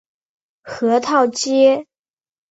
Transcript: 核桃街。